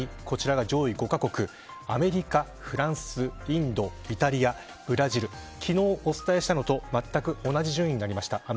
こちらが上位国５カ国アメリカ、フランス、インドイタリアブラジル昨日、お伝えしたのとまったく同じ順位となりました。